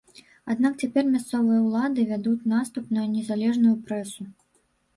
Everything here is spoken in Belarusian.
Аднак цяпер мясцовыя ўлады вядуць наступ на незалежную прэсу.